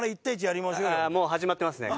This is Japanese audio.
もう始まってますね。